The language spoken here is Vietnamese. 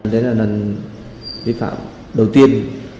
đến là lần vi phạm đầu tiên